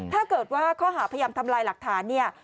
ถ้าเกิดว่าข้อหาพยายามทำลายหลักฐานเนี่ย